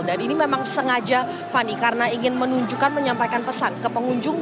dan ini memang sengaja fani karena ingin menunjukkan menyampaikan pesan ke pengunjung